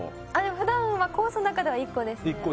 ふだんはコースの中では１個です。